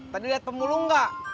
tadi lihat pemulung gak